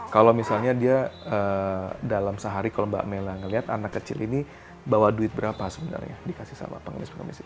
kalau misalnya dia dalam sehari kalau mbak mela ngelihat anak kecil ini bawa duit berapa sebenarnya dikasih sama pengemis pengemis